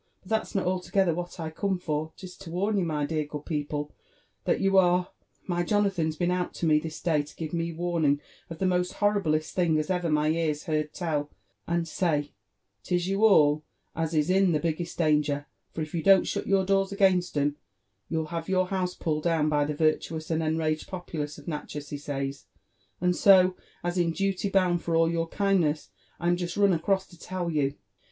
«^ But that's not altogether what I come for : 'tis to warn you, dear good peoplOf that you are My Jonathan's been out to me this day, to give me warning of the most horriblest thing as ever my ears heard tell, and says 'tis you all as is in the biggest danger ; for if you don't shut youf doors against 'em, you'll have your house pulled down by the vir<^ tuous and enraged populace of Natchez, he says : and so, as io duly bound for all your kindness, I'm just run across to tell you."